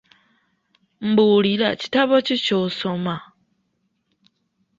Mbuulira kitabo ki ky'osoma?